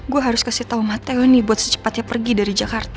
gua harus kasih tau matteo nih buat secepatnya pergi dari jakarta